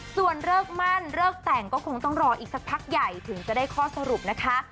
ส่วนเลิกมั่นเลิกแต่งก็คงต้องรออีกสักพักใหญ่ถึงจะได้ข้อสรุปนะคะ